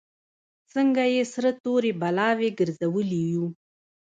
څنګه یې سره تورې بلاوې ګرځولي یو.